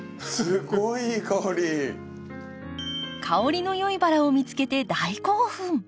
香りの良いバラを見つけて大興奮。